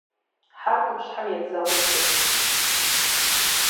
Хьэр къупщхьэм едзэгъуу щылът.